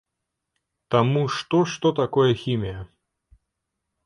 Таму што што такое хімія?